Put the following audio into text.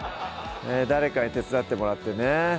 誰かに手伝ってもらってね